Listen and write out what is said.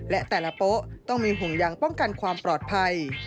และแต่ละโป๊ะต้องมีห่วงยางป้องกันความปลอดภัย